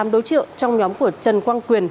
tám đối trượng trong nhóm của trần quang quyền